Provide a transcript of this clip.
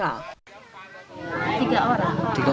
ada takut gitu